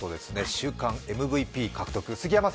週間ＭＶＰ獲得。